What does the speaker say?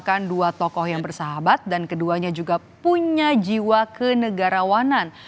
bahkan dua tokoh yang bersahabat dan keduanya juga punya jiwa kenegarawanan